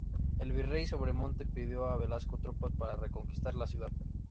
El virrey Sobremonte pidió a Velasco tropas para reconquistar la ciudad.